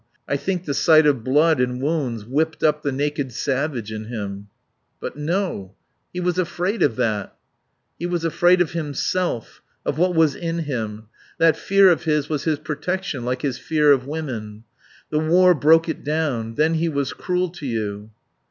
I think the sight of blood and wounds whipped up the naked savage in him." "But no. He was afraid of that." "He was afraid of himself. Of what was in him. That fear of his was his protection, like his fear of women. The war broke it down. Then he was cruel to you."